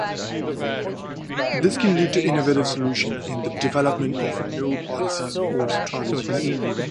This can lead to innovative solutions and the development of new policies or strategies.